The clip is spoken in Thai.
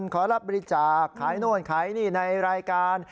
ขอรับบริจาคขายโน่นขายนี่ในรายการ